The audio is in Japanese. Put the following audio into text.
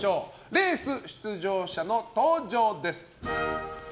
レース出場者の登場です。